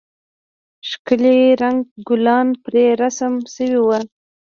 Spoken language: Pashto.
ښکلي رنگه گلان پرې رسم سوي وو.